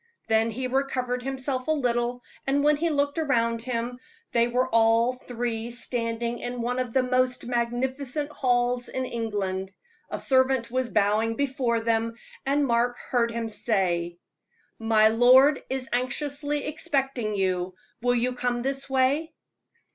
Then he recovered himself a little, and when he looked around him, they were all three standing in one of the most magnificent halls in England. A servant was bowing before them, and Mark heard him say: "My lord is anxiously expecting you; will you come this way?"